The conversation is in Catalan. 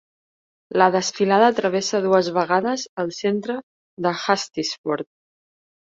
La desfilada travessa dues vegades el centre de Hustisford.